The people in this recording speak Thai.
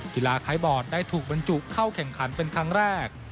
กีฬาคล้ายบอร์ดได้ถูกบรรจุเข้าแข่งขันเป็นครั้งแรก